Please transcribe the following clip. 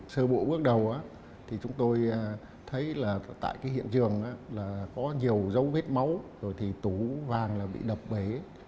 sơ bộ bước đầu chúng tôi thấy tại hiện trường có nhiều dấu vết máu tủ vàng bị đập bể